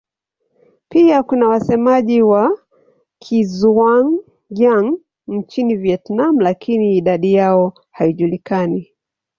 Pia kuna wasemaji wa Kizhuang-Yang nchini Vietnam lakini idadi yao haijulikani.